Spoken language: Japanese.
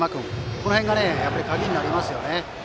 この辺が鍵になりますよね。